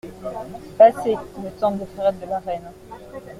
Passé, le temps des ferrets de la reine.